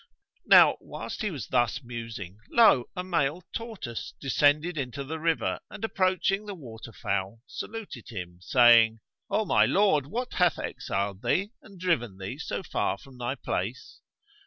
Now whilst he was thus musing lo! a male tortoise descended into the river and, approaching the water fowl, saluted him, saying, "O my lord, what hath exiled thee and driven thee so far from thy place?"